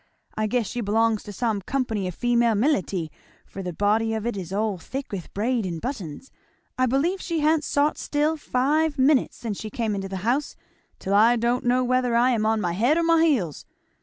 I guess she belongs to some company of female militie, for the body of it is all thick with braid and buttons. I believe she ha'n't sot still five minutes since she come into the house, till I don't know whether I am on my head or my heels."